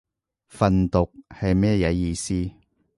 訓讀係乜嘢意思